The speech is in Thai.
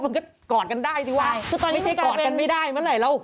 กอดกันได้สิวะไม่ใช่กอดกันไม่ได้เมื่อไหร่เรา